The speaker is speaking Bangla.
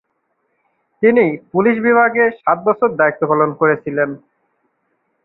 তিনি পুলিশ বিভাগে সাত বছর দায়িত্ব পালন করেছিলেন।